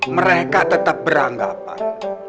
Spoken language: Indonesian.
mereka tetap beranggapan